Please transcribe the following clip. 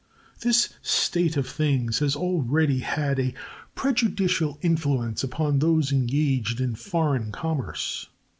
This state of things has already had a prejudicial influence upon those engaged in foreign commerce.